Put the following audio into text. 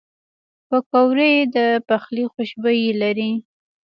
پکورې د پخلي خوشبویي لري